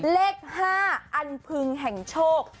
เลข๕อันพึงแห่งโชค